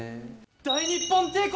大日本帝国